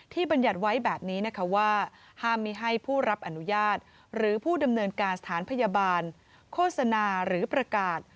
บรรยัติไว้แบบนี้นะคะว่าห้ามมีให้ผู้รับอนุญาตหรือผู้ดำเนินการสถานพยาบาลโฆษณาหรือประกาศ